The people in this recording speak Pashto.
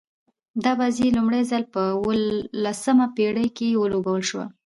دا بازي لومړی ځل په اوولسمه پېړۍ کښي ولوبول سوه.